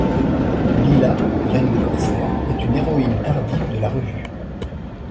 Lila, reine des corsaires, est une héroïne tardive de la revue.